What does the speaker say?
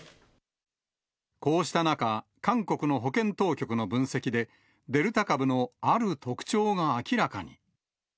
こうした中、韓国の保健当局の分析で、デルタ株の、ある特徴が明らかに。